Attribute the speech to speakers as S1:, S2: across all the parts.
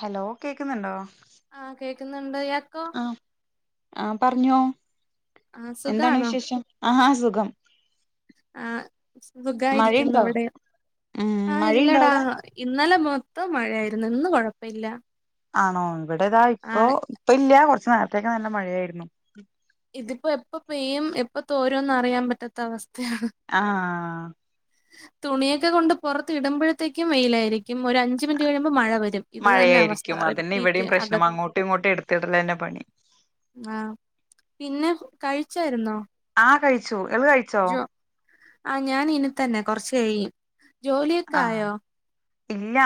S1: Hello കേക്കുന്നുണ്ടോ
S2: ആഹ് കേൾക്കുന്നുണ്ട് ഇയാക്കോ
S1: ആഹ് പറഞ്ഞോ
S2: ആഹ്
S1: എന്താണ്
S2: സുഖാണോ
S1: വിശേഷം ആഹ് സുഖം
S2: ആഹ് സ് സുഖായിരിക്കുന്നു
S1: മഴയുണ്ടോ
S2: ഇവിടെ
S1: ഉം
S2: ആഹ്
S1: മഴയുണ്ടോ
S2: ഇല്ലടാ
S1: അവിടെ
S2: ഇന്നലെ മൊത്തം മഴയായിരുന്നു ഇന്ന് കൊഴപ്പ ഇല്ല
S1: ആണോ ഇവിടെതാ ഇപ്പൊ ഇപ്പ ഇല്ല കുറച്ചു നേരത്തേക്കെ നല്ല മഴയായിരുന്നു
S2: ഇതിപ്പോ എപ്പ പെയ്യും എപ്പ തോരുംന്ന് അറിയാൻ പറ്റാത്ത അവസ്ഥയാണ്
S1: ആഹ്
S2: തുണിയൊക്കെ കൊണ്ട് പുറത്ത് ഇടുമ്പഴത്തേക്കും വെയിലായിരിക്കും ഒരു അഞ്ച് മിനിറ്റ് കഴിയുമ്പം മഴ വരും ഇത് തന്നെ അവസ്ഥ
S1: മഴയായിരിക്കും അതന്നെ
S2: റിപ്പീറ്റ്
S1: ഇവിടെയും
S2: അക
S1: പ്രശ്നം അങ്ങോട്ടും ഇങ്ങോട്ടും എടുത്തിടലന്നെ പണി
S2: ആഹ് പിന്നെ കഴിച്ചായിരുന്നോ
S1: ആഹ് കഴിച്ചു എള് കഴി
S2: ജോ ആഹ് ഞാൻ ഇൻന്നെ തന്നെ കൊറച്ച് കഴിയും ജോലിയൊക്കെ
S1: ആഹ്
S2: ആയോ
S1: ഇല്ല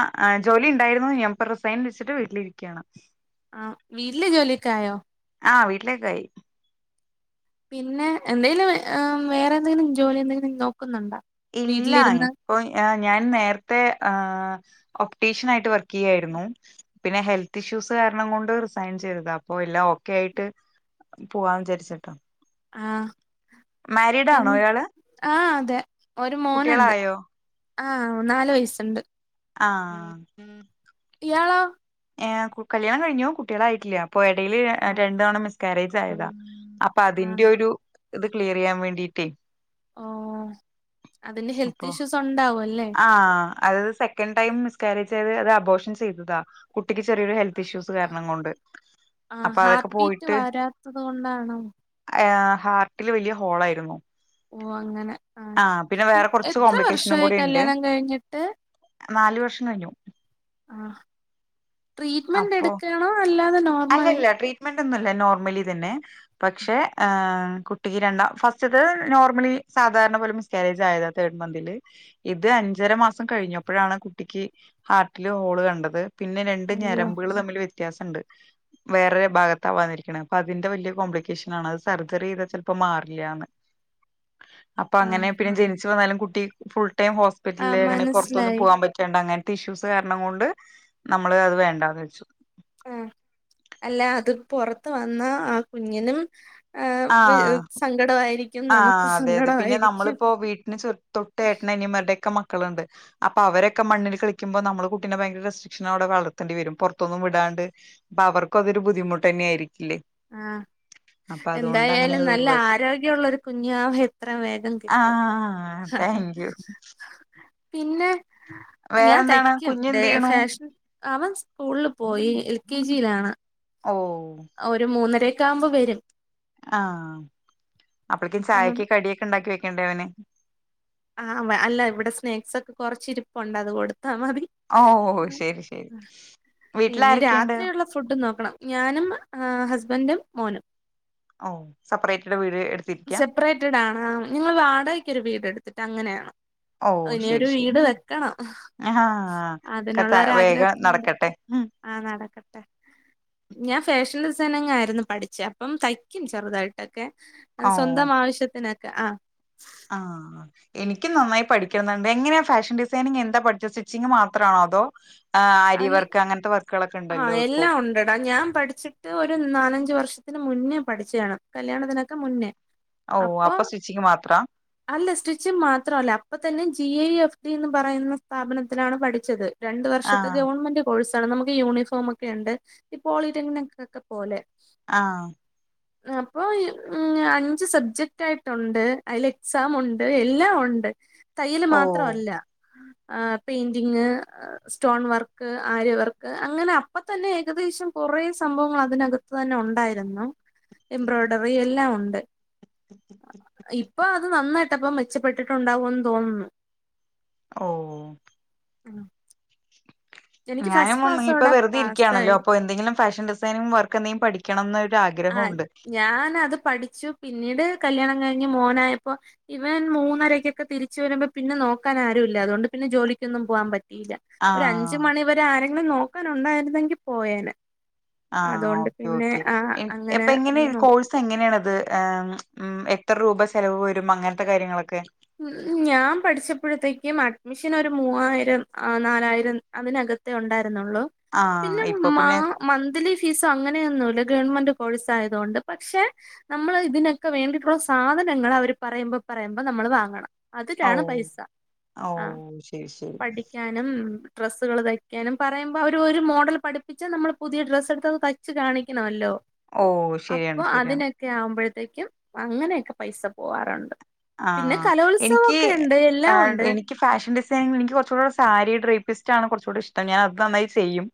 S1: ജോലിയുണ്ടായിരുന്നു ഞാൻ ഇപ്പോ റിസൈൻ വെച്ചിട്ട് വീട്ടിലിരിക്കയാണ്
S2: ആഹ് വീട്ടിലെ ജോലിയൊക്കെ ആയോ
S1: ആഹ് വീട്ടിലേക്കെ ആയി
S2: പിന്നെ എന്തേലും വേ ഏഹ് വേറെ എന്തെങ്കിലും ജോലി എന്തെങ്കിലും നോക്കുന്നുണ്ടോ
S1: ഇല്ല
S2: വീട്ടിലിരുന്ന്
S1: അപ്പൊ ഏഹ് ഞാൻ നേരത്തെ ഒപ്റ്റീഷ്യൻ ആയിട്ട് വർക്ക് ചെയ്യായിരുന്നു പിന്നെ ഹെൽത്ത് ഇഷ്യൂസ് കാരണം കൊണ്ട് റിസൈൻ ചെയ്തതാ അപ്പൊ എല്ലാം ഓക്കെ ആയിട്ട് പോവാന്ന് വിചാരിച്ചിട്ടാ
S2: ആഹ്
S1: മാരീഡ്
S2: പിൻ
S1: ആണോ ഇയാള്
S2: ആഹ് അതെ ഒരു മോനുണ്ട്
S1: കുട്ടികളായോ
S2: ആഹ് മൂന്നാല് വയസ്സുണ്ട്
S1: ആഹ്
S2: ഇയാളോ
S1: ഏഹ് കു കല്യാണം കഴിഞ്ഞു കുട്ടിയേളായിട്ടില്ല അപ്പൊ എടേല്
S2: ആഹ്
S1: രണ്ടു തവണ മിസ്കാരേജ് ആയതാ അപ്പൊ അതിന്റെ
S2: ആഹ്
S1: ഒരു ഇത് ക്ലിയർ ചെയ്യാൻ വേണ്ടിട്ടേ
S2: ഓഹ് അതിന്റെ
S1: അപ്പൊ
S2: ഹെൽത്ത് ഇഷ്യൂസ് ഉണ്ടാവും അല്ലേ
S1: ആഹ് അത് സെക്കൻഡ് ടൈം മിസ് കാര്യേജ് ചെയ്ത് അത് അബോർഷൻ ചെയ്തതാ കുട്ടിക്ക് ചെറിയൊരു ഹെൽ ത്ത് ഇഷ്യൂസ് കാരണം കൊണ്ട്
S2: ആഹ്
S1: അപ്പൊ അതൊക്കെ
S2: ഹാർട്ട് ബീറ്റ്
S1: പോയിട്ട്
S2: വരാത്തത് കൊണ്ടാണോ?
S1: അ [unintelligible] ഹാർട്ടില് വലിയ ഹോളായിരുന്നു
S2: ഓഹ് അങ്ങനെ ആഹ്
S1: ആ പിന്നെ വേറെ കുറച്ച്
S2: എത്ര
S1: കോംപ്ലിക്കേഷനും
S2: വർഷായി
S1: കൂടി ഉണ്ട്
S2: കല്യാണം കഴിഞ്ഞിട്ട്
S1: നാല് വർഷം കഴിഞ്ഞു
S2: ആഹ് ട്രീറ്റ്മെന്റ് എടുക്കാണോ അല്ലാതെ നോ
S1: അല്ല അല്ല ട്രീറ്റ്മെന്റ് ഒന്നൂല്ല നോർമലി തന്നെ പക്ഷെ ഏഹ് കുട്ടിക്ക് രണ്ടാം ഫസ്റ്റ്ത്തത് നോർമലി സാധാരണ പോലെ മിസ് കാര്യേജ് ആയതാ തേർഡ് മന്തില് ഇത് അഞ്ചര മാസം കഴിഞ്ഞപ്പോഴാണ് കുട്ടിക്ക് ഹാർട്ടില് ഹോള് കണ്ടത്. പിന്നെ രണ്ട്
S2: അയ്യോ
S1: ഞരമ്പുകൾ തമ്മില് വ്യത്യാസണ്ട്. വേറൊരു ഭാഗത്താ വന്നിരിക്കണെ അപ്പൊ അതിന്റെ വലിയ കോംപ്ലിക്കേഷൻ ആണ്. അത് സർജറി ചെയ്താ ചിലപ്പോ മാറില്ലന്ന്.
S2: [inaudible]
S1: അപ്പൊ അങ്ങനെ
S2: ആഹ്
S1: പിന്നെ ജനിച്ചു വന്നാലും കുട്ടി ഫുൾ ടൈം
S2: ആഹ്
S1: ഹോസ്പിറ്റലില് അങ്ങനെ പുറത്തൊന്നും
S2: മനസ്സിലായി
S1: പോകാൻ പറ്റില്ല. അങ്ങനത്തെ ഇഷ്യൂസ് കാരണം കൊണ്ട് നമ്മൾ അത് വേണ്ടാന് വെച്ചു.
S2: ആഹ അല്ല അത് പുറത്ത് വന്നാ ആ കുഞ്ഞിനും. ഹ വ്
S1: ആഹ്
S2: സങ്കടായിരിക്കും.
S1: ആഹ് അതെ അതെ പിന്നെ നമ്മളിപ്പോ വീട്ടിന് തൊട്ട്. ഏട്ടന് അനിയന്മാരുടെ യൊക്കെ മക മക്കളുണ്ട് അപ്പോ അവരൊക്കെ മണ്ണിൽ കളിക്കുമ്പോ. നമ്മള് കുട്ടിനെ ഭയങ്കര ര വളർത്തേണ്ടി വരും പുറത്തൊന്നും വിടാണ്ട് അപ്പൊ അവർക്കും അതൊരു ബുദ്ധിമുട്ട് തന്നെ ആയിരിക്കില്ലേ?
S2: ആഹ
S1: അപ്പൊ അതുകൊണ്ട് അങ്ങനെ
S2: എന്തായാലും
S1: അത്
S2: നല്ല
S1: ഒഴിവാക്കി
S2: ആരോഗ്യമുള്ളരു കുഞ്ഞുവാവ എത്രയും വേഗം. കിട്ടും
S1: ആഹ താങ്ക് യു
S2: പിന്നെ ഞാൻ
S1: വേറെന്താണ്
S2: തയ്ക്കും.
S1: കുഞ്ഞെന്ത് ചെയ്യണു
S2: ഫാഷൻ അവൻ സ്കൂളിൽ പോയി എൽ കെ ജി യിലാണ്.
S1: ഓ
S2: ഒരു മൂന്നര ഒക്കെ ആകുമ്പോൾ വരും.
S1: ആഹ അപ്പളേക്കും ചായക്ക് കടിയൊക്കെ ഉണ്ടാക്കി വെക്കണ്ടേ അവന്.
S2: ആ അല്ല ഇവിടെ സ്നാക്സ് ഒക്കെ കുറച്ച് ഇരിപ്പുണ്ട് അത് കൊടുത്താ മതി.
S1: ഓ
S2: ആ.
S1: ഓ ശരി ശരി വീട്ടിൽ
S2: ഇനി
S1: ആരൊക്കെയുണ്ട്.
S2: രാത്രിയുള്ള ഫുഡ് നോക്കണം ഞാനും ഹസ്ബൻഡും മോനും.
S1: ഓ സെപ്പറേറ്റ് വീട് ഇ
S2: സെപ്പറേറ്റഡ് ആണ് ഞങ്ങൾ വാടകക്കൊരു വീടെടുത്തിട്ട് അങ്ങനെയാണ്. ഇനി ഒരു വീട് വെക്കണം.
S1: ആഹ ത ഒക്കെ വേഗം നടക്കട്ടെ
S2: ആഹ നടക്കട്ടെ ഞാൻ ഫാഷൻ ഡിസൈനിങ് ആയിരുന്നു. പഠിച്ചേ അപ്പം തയ്ക്കും ചെറുതായിട്ടൊക്കെ.
S1: ഓ
S2: സ്വന്തം ആവശ്യത്തിനൊക്കെ.
S1: ആഹ് എനിക്കും നന്നായി പഠിക്കണംന്ന്ണ്ട് എങ്ങനെയാ ഫാഷൻ ഡിസൈനിങ്. എന്താ പഠിച്ചേ സ്റ്റിച്ചിങ് മാത്രമാണോ അതോ. ആ് അരി
S2: അൽ
S1: വർക്ക് അങ്ങനത്തെ വർക്കുകളൊക്കെ
S2: ആ
S1: ഉണ്ടല്ലോ.
S2: എല്ലാം ഉണ്ടെടാ ഞാൻ പഠിച്ച് ഒരു നാലഞ്ചു വർഷത്തിന് മുന്നേ പഠിച്ചയാണ് കല്യാണത്തിനൊക്കെ മുന്നേ.
S1: ഔ അപ്പൊ സ്റ്റിച്ചിങ് മാത്ര
S2: അല്ല സ്റ്റിച്ചിങ് മാത്രല്ല അപ്പ തന്നെ ജി ഐ എഫ് ടി എന്ന് പറയുന്ന സ്ഥാപനത്തിലാണ് പഠിച്ചത്. രണ്ടു
S1: ആ
S2: വർഷത്തെ ഗവൺമെന്റ് കോഴസാണ് നമുക്ക് യൂണിഫോം ഒക്കെ ഉണ്ട് ഈ പോളി ടെക്‌നിക്‌ ഒക്കെ പോലെ.
S1: ആഹ്
S2: [inaudible] അപ്പൊ അഞ്ച് സബ്ജക്ട് ആയിട്ടുണ്ട് അതിൽ എക്സാം ഉണ്ട് എല്ലാം ഉണ്ട്. തയ്യൽ
S1: ഓ
S2: മാത്രല്ല ആ പെയിന്റിങ്. സ്റ്റോൺ വർക്ക് ആര്യവർക്ക് അങ്ങനെ അപ്പം തന്നെ ഏകദേശം കുറേ സംഭവങ്ങൾ അതിനകത്ത്... തന്നെ ഉണ്ടായിരുന്നു എംബ്രോയിഡറി എല്ലാം ഉണ്ട്. ഇപ്പൊ അത് നന്നായിട്ടപ്പ മെച്ചപ്പെട്ടിട്ടുണ്ടാാവോന്ന് തോന്നുന്നു.
S1: ഓ..
S2: എനിക്ക് ഫസ്റ്റ്
S1: ഞാനും ഇപ്പൊ
S2: ക്ലാസ്സോടാ
S1: വെറ്തെ
S2: പാസ്സായി
S1: ഇരിക്ക്യാണല്ലോ അപ്പോ എന്തെങ്കിലും ഫാഷൻ ടി സൈനിങ് വർക്ക് എന്തേങ്കിം പഠിക്കണം ന്ന് ഒര്
S2: ആയി.
S1: ആഗ്രഹോണ്ട്.
S2: ഞാനത് പഠിച്ചു പിന്നീട് കല്യാണം കഴിഞ്ഞ് മോനായപ്പോ ഇവൻ മൂന്നരക്ക്യോക്ക തിരിച് വരുമ്പോ പിന്നെ നോക്കാൻ ആരുല്ല അതുകൊണ്ട് പിന്നെ ജോലിക്കൊന്നും പോവാം പറ്റിയില്ല ഒര് അഞ്ച്
S1: ആ
S2: മണിവരെ ആരെങ്കിലും നോക്കാൻ ഉണ്ടായിരുന്നെങ്കി പോയേനേ
S1: ആ ഓക്കെ ഓക്കെ എ എപ്പ ഇങ്ങനെ
S2: നോ
S1: കോഴ്സ് എങ്ങനെണത് ഏ ഉം എത്ര രൂപ ചെലവ് വരും അങ്ങൻത്ത കാര്യങ്ങളൊക്കെ
S2: ഞാൻ പഠിച്ചപ്പോഴത്തേക്കും അഡ്മിഷന് ഒരു മൂവായിരം നാലായിരം അതിനക ത്ത് ഉണ്ടായിരുന്നോള്ളൂ
S1: ആഹ്
S2: പിന്നെ
S1: ഇപ്പൊ
S2: മാ
S1: പിന്നെ
S2: മന്ത്ലി ഫീസോ അങ്ങനെയൊന്നുല്ല ഗവൺമെന്റ് കോഴ്സ് ആയത് കൊണ്ട് പക്ഷെ നമ്മള് ഇതിനക്ക വേണ്ടിയിട്ടുള്ള സാധനങ്ങള് അവര് പറയുമ്പോ പറയുമ്പോ നമ്മള് വാങ്ങണം
S1: ഓ
S2: അത്ക്യാണ് പൈസ
S1: ഓ
S2: ആ
S1: ശരി ശരി
S2: പഠി ക്ക്യാനും ഡ്രസ്സുകള് തയ്ക്യാനും പറയുമ്പോ അവര് ഒര് മോഡൽ പഠിപ്പിച്ച നമ്മള് പുതിയ ഡ്രസ്സ് എട്ത്തത് തയ് ച്ച് കാണിക്കണമല്ലോ
S1: ഓ
S2: അപ്പൊ
S1: ശരിയാണ് ശരിയാണ്
S2: അതിനൊക്കെ ആവുമ്പഴത്തേക്യും അങ്ങനെയൊക്ക പൈസ പോവാറുണ്ട്
S1: ആ
S2: പിന്നെ
S1: ഇൻക്കി
S2: കലോത്സവൊക്കെ ഉണ്ട് എല്ലാം ഉണ്ട്
S1: [unintelligible] എനി ഇക്കി ഫാഷൻ ഡിസൈനിങ് എനിക്ക് കൊർച് കൂടെ സാരി ഡ്രേപ്പിസ്റ്റ് ആവണം കൊർച് കൂടി ഇഷ്ടം ഞാൻ അത് നന്നായി ചെയ്യും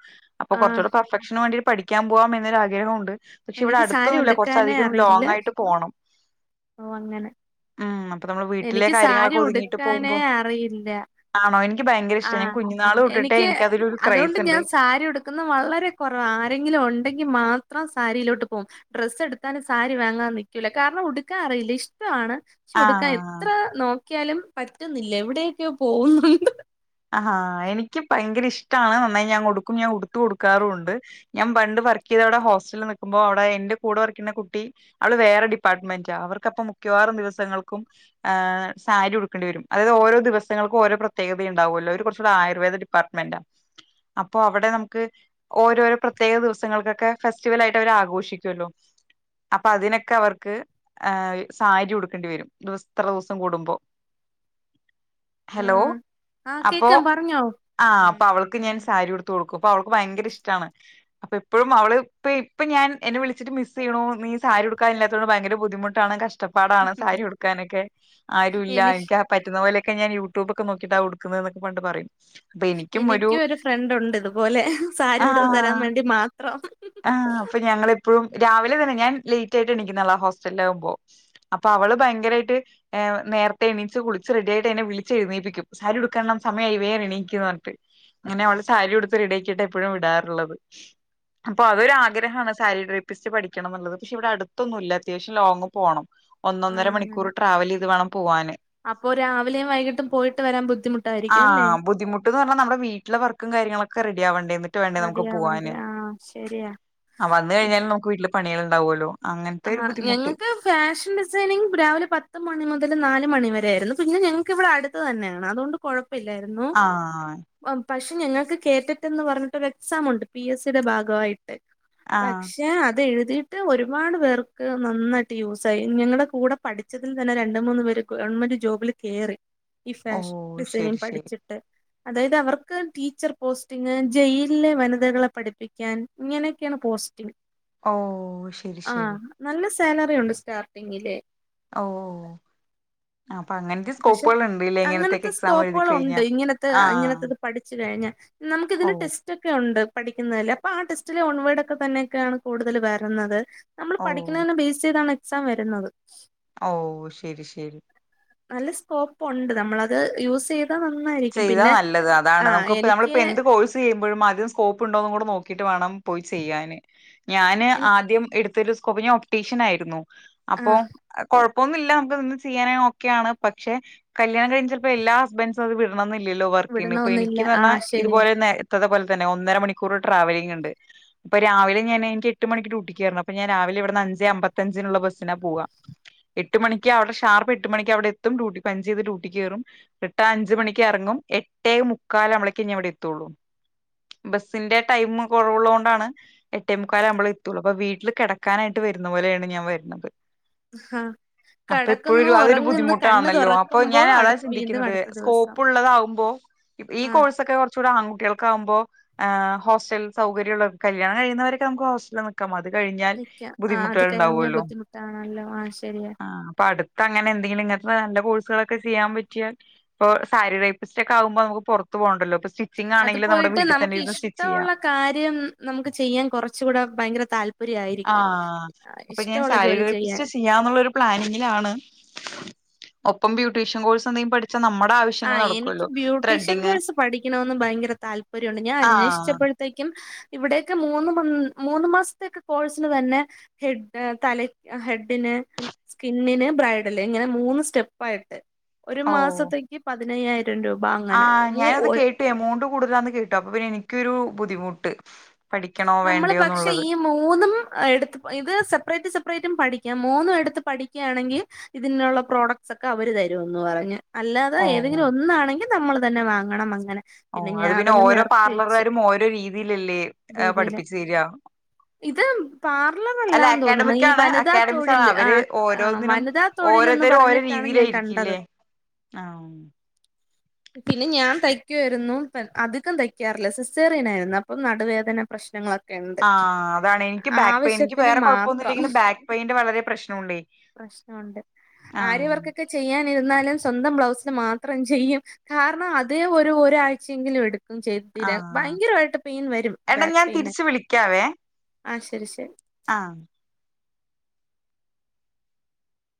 S1: അപ്പൊ
S2: ആ
S1: കൊർച്ചൂ കൂടെ പെർഫെക്ഷന് വേണ്ടി പഠിക്ക്യാം പോവാം എന്നൊരാഗ്രഹം ഉണ്ട് പക്ഷെ ഇവടെ
S2: എനിക്ക് സാരി
S1: അടുത്തൊന്നുല്ല
S2: ഉടുക്കാനേ
S1: കോർച്ചധികം
S2: അറിയില്ല
S1: ലോങ് ആയിട്ട് പോണം
S2: ഓ അങ്ങനെ
S1: ഉം അപ്പൊ നമ്മള് വീട്ടിലെ
S2: എനിക്ക് സാരി
S1: കാര്യങ്ങളൊക്കെ ഒതുങ്ങിയിട്ട്
S2: ഉടുക്കാനേ
S1: പോകുമ്പോ
S2: അറിയില്ല
S1: ആണോ എനിക്ക് ഭയങ്ക
S2: ആ എനിക്ക് അതുകൊണ്ട്
S1: ക്രൈസ് ഇണ്ട്
S2: ഞാൻ സാരി ഉട് കുന്ന വളരെ കോറവ ആരെങ്കിലും ഉണ്ടെങ്കി മാത്രം സാരിയിലോട്ട് പോവും ഡ്രസ്സ് എടുത്താല് സാരി വാങ്ങാൻ നിക്കൂല കാരണം ഉടുക്കാൻ അറിയില്ല ഇഷ്ടമാണ് ഉടുക്കാൻ
S1: ആഹ്
S2: എത്ര നോക്കിയാലും പറ്റുന്നില്ല എവ്ടെയെക്കെയൊ പോവുന്നു
S1: ആ എനിക്ക് ഭയങ്കര ഇഷ്ടാണ് നന്നായി ഞാൻ ഉടുക്കും ഞാൻ ഉടുത്ത് കൊടുക്കാറുണ്ട് ഞാൻ പണ്ട് വർക്ക് ചെയ്ത അവ്ടെ ഹോസ്റ്റൽല് നിക്കുമ്പോ അവ്ടെ എന്റെ കൂടെ വർക്ക് ചെയ്യുന്ന കുട്ടി അവള് വേറെ ഡിപ്പാർട്ട്മെന്റ അവർക്കപ്പം മിക്യവാറും ദിവസങ്ങൾക്കും ആ സാരി ഉട്ക്കണ്ടി വരും അതായത് ഓരോ ദിവസങ്ങൾക്കും ഓരോ പ്രത്യേകതയ് ഇണ്ടാവോല്ലോ അവര് കൊർച്ചൂടെ ആയുർവേദ ഡിപ്പാർട്ട്മെന്റ അപ്പൊ അവടെ നമുക്ക് ഓരോരോ പ്രത്യേക ദിവസങ്ങൾക്കക്കെ ഫെസ്റ്റിവൽ ആയിട്ട് അവര് ആഘോഷിക്കൊല്ലോ അപ്പ അതിനെക്ക അവർക്ക് ആ സാരി ഉടുക്കേണ്ടി വരും ദെവസ് ഇത്ര ദെവസം കൂടുമ്പോ ഹലോ
S2: ആ കേക്കാം പറഞ്ഞോ
S1: ആ അപ്പ അവൾക്ക് ഞാൻ സാരി ഉട്ത്ത് കൊടുക്കും അപ്പ അവൾക്ക് ഭയങ്കര ഇഷ്ടാണ് അപ്പ എപ്പഴും അവള് ഇപ്പ ഈ ഇപ്പ ഞാൻ എന്നെ വിളിട്ട് മിസ് ചെയ്യ്ണു നീ സാരി ഉടുക്കാൻ ഇല്ലാത്തത് ഭയങ്കര ബുദ്ധിമു ട്ടാണ് കഷ്ട്ട പ്പാടാണ് സാരി ഉട്ക്കാനെക്കെ ആരു ഇല്ല
S2: എനി
S1: എനിക്ക് പറ്റുന്ന പോലെക്കെ ഞാൻ യൂട്യൂബക്ക നോക്കിട്ട ഉട് ക്കുന്നെന്നൊക്കെ പണ്ട് പറഴും
S2: എനിക്കും ഒരു ഫ്രണ്ട് ഉണ്ട് ഇതുപോലെ സാരി ഉടുത്ത് തരാം വേണ്ടി മാത്രം
S1: ആ അപ്പൊ ഞങ്ങള് എപ്പഴും രാവിലെ തന്നെ ഞാൻ ലേറ്റ് ആയിട്ട് എണിക്കുന്ന ആളാ ഹോസ്റ്റൽല ആവുമ്പോ അപ്പ അവള് ഭയങ്കരായിട്ട്. ഏഹ് നേര്ത്തെ എണീച്ച് കുളിച്ച് റെഡിയായിട്ട് എന്നെ വിളിച്ച് എഴുന്നേപ്പിക്കും സാരി ഉട്ക്കണം സമയായി. വേം എണീക്ക്ന്ന് പർട്ട് അങ്ങനെ അവളെ സാരി ഉടുത്ത് റെഡിയാക്കീട്ടെ എപ്പഴും വിടാറുള്ളത് അപ്പൊ അതൊരാഗ്രഹാണ്. സാരി ട്രേപ്പിസ്റ്റ് പഠിക്കണന്നുള്ളത്. പക്ഷെ ഇവിടെ അടുത്തൊന്നുല്യാ അത്യാവശ്യം ലോങ്ങ് പോണം
S2: ആഹ്
S1: ഒന്നൊന്നര മണിക്കൂറ്
S2: അങ്ങനെ
S1: ട്രാവലെയ്ത് വേണം പോവാന്
S2: അപ്പൊ രാവിലേം വൈകിട്ടും പോയിട്ട് വരാൻ ബുദ്ധിമുട്ടായിരിക്കും അല്ലേ
S1: ട്ട് ന്നർഞ്ഞാ നമ്മടെ വീട്ടിലെ വർക്കും കാര്യങ്ങളൊക്കെ റെഡിയാവണ്ടേന്നിട്ട് വേണ്ടേ
S2: റെഡി
S1: നമുക്ക്
S2: ആവണ്ടേ
S1: പോവാന്
S2: ആഹ് ശരിയാ
S1: ആഹ് വന്ന് കഴിഞ്ഞാലും നമുക്ക് വീട്ടില് പണിയള്ണ്ടാവോല്ലൊ
S2: ആഹ് ഞങ്ങക്ക് ഫാഷൻ ഡിസൈനിങ് രാവിലെ പത്ത് മണി മുതല് നാല് മണിവരെയായിരുന്നു. പിന്നെ ഞങ്ങക്ക് വിടെ അടുത്ത് തന്നെയാണ് അതോണ്ട് കൊഴ പ്പില്ലായ്രുന്നു.
S1: ആഹ്
S2: പക്ഷെ ഞങ്ങൾക്ക് കേ റ്റ റ്റ് ന്ന് പർഞ്ഞ്‌ട്ട് ഒരു എക്സാമുണ്ട് പി എസ് സിയുടെ ഭാഗായി ട്ട്
S1: ആഹ്
S2: പക്ഷെ അതെഴുതിയിട്ട് ഒരുപാട് പേർക്ക് നന്നായിട്ട് യൂസായി. ഞങ്ങടെ കൂടെ പഠിച്ചതിൽ തന്നെ രണ്ട് മൂന്ന് പേര് ഗവൺമെന്റ് ജോബില് കേറി. ഈ
S1: ഓ
S2: ഫാഷൻ
S1: ശരി
S2: ഡിസൈനിങ്
S1: ശരി
S2: പഠിച്ചിട്ട് അതായത് അവർക്ക് ടീച്ചർ പോസ്റ്റിങ് ജയിലിലെ വനിതകളെ പഠിപ്പിക്കാൻ ഇങ്ങനെയൊക്കേണ് പോസ്റ്റിങ്ങ്
S1: ഓഹ് ശ
S2: ആഹ് നല്ല സാലറിയുണ്ട് സ്റ്റാർട്ടിങ്ങില്
S1: ഓഹ് ഓഹ്
S2: പക്ഷെ
S1: ഉണ്ട്ല്ലേ ഇങ്ങനത്തെക്കെ
S2: അങ്ങനത്തെ
S1: എക്സാം എഴുതി
S2: സ്കോപ്പുകളുണ്ട്
S1: കഴിഞ്ഞാ
S2: ഇങ്ങനത്തെ
S1: ആഹ്
S2: ഇങ്ങനത്തത് പഠിച്ച് കഴിഞ്ഞാ
S1: ഓ
S2: നമുക്കിതിന്റെ ടെസ് റ്റൊക്കെണ്ട് പഠിക്കുന്നേല് അപ്പൊ ആ ടെസ്റ്റിലെ വൺവേടൊക്കെ തന്നെക്കെയാണ് കൂട്തല് വര്ന്നത് നമ്മള്
S1: ഓ
S2: പഠിക്കുന്നതിനെ ബേസെയ്താണ് എക്സാം വര്ന്നത്.
S1: ഓഹ് ശരി ശരി
S2: നല്ല സ്കോപ്പുണ്ട്. നമ്മളത് യൂസെയ് താ നന്നായി
S1: ചെയ്താ നല്ലത് അതാണ് നമുക്ക് പ്പൊ നമ്മളിപ്പോ എന്ത് കോഴ്സും ചെയ്യുമ്പോഴും ആദ്യം സ്കോപ്പ് ഉണ്ടോന്ന് കൂടെ നോക്കീട്ട് വേണം പോയി ചെയ്യാന് ഞാന്
S2: എനി
S1: ആദ്യം എടു ത്തീലെ സ്കോപ്പ് ഞാന് ഒപ്ടീഷ്യനായിരുന്നു
S2: ആ
S1: അപ്പൊ കൊഴപ്പമൊന്നുല്ല്യ. മ്മക്ക് നിന്ന് ചെയ്യാന് ഒക്കെയാണ്. പക്ഷെ കല്യാണം കഴിഞ്ഞ് ചെൽപ്പ എല്ലാ ഹസ്ബന്റ്സും അത് വി ടണംന്നില്ലല്ലോ വർക്കിന്.
S2: വിടണൊന്നില്ല ആ
S1: പ്പംഎനിക്ക്ന്നർഞ്ഞാ
S2: ശരിയാ
S1: ഇതുപോലെന്നെ [unintelligible] തന്നെ ഒന്നര മണിക്കൂർ ട്രാവലിംഗ്ണ്ട് ഇപ്പൊ രാവിലെ ഞാന് ഇന്ക്ക് എട്ട് മണിക്ക് ഡ്യൂട്ടിക്ക് കേറണം. അപ്പ ഞാന് രാവിലെ വിട്ന്ന് അഞ്ചേ അമ്പത്തഞ്ചിനുള്ള ബസിനാ പോവാ എട്ട് മണിക്ക് ആവിടെ ഷാർപ്പ് എട്ട് മണിക്ക് അവിടെ എത്തും. ഡ്യൂട്ടി പഞ്ചെയ്ത് ഡ്യൂട്ടിക്ക് കേറും ന്നട്ടാ അഞ്ച് മണി ക്കെറങ്ങും എട്ടേ മുക്കാലാമ്പ്ളക്കേ ഞാ ഇവിടെ എത്തൊള്ളൂ ബസ്സിന്റെ ടൈം കൊറവുള്ളൊണ്ടാണ് എട്ടേ മുക്കാലാമ്പളേ എത്തൊളൂ. അപ്പൊ വീട്ടില് കെടക്കാനായിട്ട് വരുന്ന പോലെയാണ് ഞാൻ വര്ണത്
S2: ആ
S1: അപ്പൊ
S2: കടക്കുന്നു
S1: എപ്പഴും അതൊരു
S2: ഉറങ്ങുന്നു കണ്ണ്
S1: ബുദ്ധിമുട്ടാന്നല്ലോ. അപ്പൊ
S2: തുറക്കുമ്പോ
S1: ഞാന് അതാ
S2: അടുത്ത് വീണ്ടും
S1: ചിന്തിക്കുന്നത്
S2: അടുത്ത
S1: സ്കോ
S2: ദിവസം
S1: പ്പുള്ളതാവുമ്പോ ഈ
S2: ആ
S1: കോഴ്സൊക്കെ കൊർ ച്ചൂടെ ആൺകുട്ടികൾക്കാവുമ്പോ ഹോസ്റ്റൽ സൗകര്യള്ളോർക്ക് കല്യാണം കഴിയുന്ന വരെക്കെ നമ്ക്ക് ഹോസ് അത് കഴിഞ്ഞാൽ
S2: നിക്ക ആ അത്
S1: ബുദ്ധിമുട്ടുകൾ
S2: കഴിഞ്ഞ
S1: ണ്ടാവല്ലൊ
S2: ബുദ്ധിമുട്ടാണല്ലോ ആ ശരിയാ
S1: ഇപ്പട്ത്ത് അങ്ങനെ എന്തെങ്കിലും ഇങ്ങൻത്തെ നല്ല കോഴ്സുകളൊക്കെ ചെയ്യാൻ പറ്റിയാല് പ്പൊ സാരി റേപ്പിസ്റ്റൊക്കെ ആവ്മ്പൊ നമുക്ക് പൊർത്ത് പോണ്ടല്ലൊ. പ്പ
S2: അത്
S1: സ്റ്റിച്ചിങ്ങാണെങ്കില് ഞമ്മളെ
S2: പോയിട്ട്
S1: വീട്ട് തന്നെ
S2: നമുക്ക്
S1: ഇര്ന്ന് സ്റ്റിച്ചെയ്യാം.
S2: ഇഷ്ടമുള്ള കാര്യം നമുക്ക് ചെയ്യാൻ കൊറച്ചും കൂടെ ഭയങ്കര താൽ യിരിക്കും ഇഷ്ടമുള്ള ജോലി ചെയ്യാൻ
S1: ഞാനിന്നൊരുപ്ലാനിങ്ങിലാണ് ഒപ്പം ബ്യൂട്ടീഷൻ കോഴ്സ് എന്തെങ്കിലും പഠിച്ചാ നമ്മ
S2: ആഹ് എനിക്ക് ബ്യൂട്ടീഷ്യൻ കോഴ്സ് പഠിക്കണെന്ന് ഭയങ്കര താല്പര്യമണ്ട് ഞാൻ
S1: ആഹ്
S2: അന്വേഷിച്ചപ്പഴ് ത്തേക്കും ഇവിടേക്ക് മൂന്ന് മാസത്തൊക്കെ കോഴ്സിന് തന്നെ ഹെഡ് തല ഹെഡിന് സ്കിന്നിന് ബ്രൈഡല് ഇങ്ങനെ മൂന്ന് സ്റ്റെപ്പായിറ്റ് ഒരു
S1: ഓ
S2: മാസത്തേക്ക് പതിനയ്യായിരം രൂപ അങ്ങനെ
S1: ആഹ്
S2: മൂ
S1: ഞാനത് കേട്ടു എമൗണ്ട് കൂടുതലാന്ന് കേട്ടു അപ്പൊപിന്നെ എനിക്കൊരു ബുദ്ധിമുട്ട്. പഠിക്കണോ
S2: നമ്മള്
S1: വേണ്ടയോ
S2: പക്ഷെ
S1: എന്നുള്ളത്
S2: ഈ മൂന്നും എടുത്ത് ഇത് സെപ്പറേറ്റ് സെപ്പറേറ്റും പഠിക്കാം മൂന്നും എടുത്ത് പഠിക്കുകയാണെങ്കി ഇതിനുള്ള പ്രോഡക്ട്സ് ഒക്കെ അവര് തരുംന്ന് പറഞ്ഞ്. അല്ലാതെ
S1: ഓ
S2: ഏതെങ്കിലും ഒന്നാണെങ്കിൽ നമ്മൾ തന്നെ വാങ്ങണം അങ്ങനെ
S1: ഓഹ് അത്
S2: ഞാൻ
S1: പിന്നെ
S2: അതങ്ങ്
S1: ഓരോ
S2: നിർത്തി വെച്ച്
S1: പാർലർകാരും ഓരോ രീതിയിലല്ലേ ഏഹ്
S2: രീതിയില്
S1: പഠിപ്പിച്ച് തരാ
S2: ഇത്
S1: അല്ല
S2: പാർലറല്ലാന്ന് തോന്നുന്നു ഈ
S1: അക്കാഡമിക്കാണ്
S2: വനിതാ തൊഴിൽ
S1: അക്കാഡമിക്സാണ്
S2: ആ
S1: അവര്
S2: ആ
S1: ഓരോന്നിനും
S2: വനിതാ തൊഴിലെന്ന്
S1: ഓരോരുത്തരും ഓരോ
S2: പറഞ്ഞിട്ടാണ് ഞാൻ കണ്ടത്
S1: രീതിയിലയിരിക്കല്ലേ ആഹ്
S2: [inaudible] പിന്നെ ഞാൻ തയ്ക്കുവായിരുന്നു അധികം തയ്ക്കാറില്ല സിസ്സേറിയനായിരുന്നു അപ്പൊ നടുവേ ദന പ്രശ്നങ്ങളൊക്കെ ഉണ്ട്
S1: ആഹ് അതാണ് എനിക്ക് ബാക്ക് പെയിൻ എനിക്ക്
S2: ആവശ്യത്തിന്
S1: വേറെ
S2: മാത്രം
S1: കൊഴപ്പൊന്നുല്ലെങ്കിലും ബാക്ക് പെയിന്റെ വളരെ പ്രശ്നുണ്ടേ
S2: പ്രശ്നുണ്ട്
S1: ആഹ്
S2: പുതിയ വർക്കൊക്കെ ചെയ്യാനിരുന്നാലും സ്വന്തം ബ്ലൗസിൽ മാത്രം ചെയ്യും കാരണം അതേ ഒര് ഒരാഴ്ചയെങ്കിലും എടു ചെയ്തിരാ
S1: ആഹ്
S2: ഭയങ്കരായിട്ട് പെയിൻ വരും
S1: എടാ
S2: ബാക്ക്
S1: ഞാൻ
S2: പെയിൻ
S1: തിരിച്ച്
S2: ഒക്കെ
S1: വിളിക്കാവേ
S2: ആഹ് ശരി ശരി
S1: ആഹ്